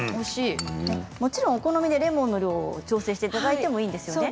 お好みでレモンの量を調整していただいていいんですよね